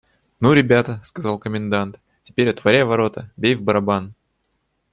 «Ну, ребята, – сказал комендант, – теперь отворяй ворота, бей в барабан.